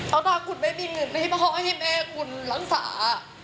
เพราะถ้าคุณไม่มีเงินให้พ่อให้แม่คุณรักษา